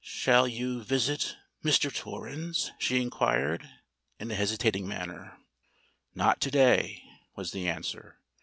"Shall you visit Mr. Torrens?" she inquired, in a hesitating manner. "Not to day," was the answer.